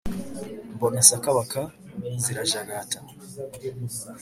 mbona sakabaka zirajagata